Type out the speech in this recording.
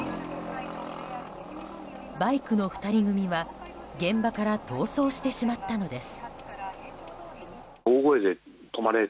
バイクの２人組は現場から逃走してしまったのです。